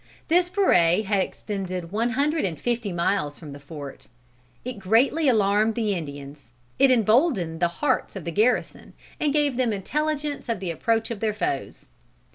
This foray had extended one hundred and fifty miles from the fort. It greatly alarmed the Indians. It emboldened the hearts of the garrison, and gave them intelligence of the approach of their foes.